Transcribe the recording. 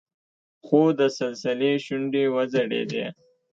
خو د سلسلې شونډې وځړېدې.